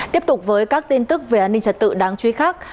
tiếp tục với các tin tức về an ninh trật tự đáng chú ý khác